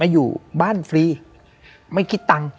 อยู่บ้านฟรีไม่คิดตังค์